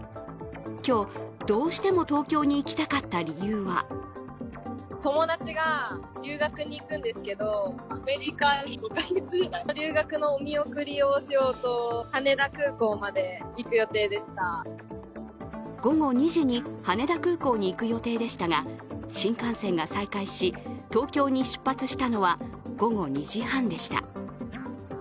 今日、どうしても東京に行きたかった理由は午後２時に羽田空港に行く予定でしたが新幹線が再開し、東京に出発したのは午後２時半でした。